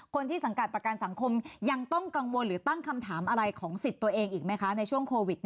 คนที่สังกัดประกันสังคมยังต้องกังวลหรือตั้งคำถามอะไรของสิทธิ์ตัวเองอีกไหมคะในช่วงโควิด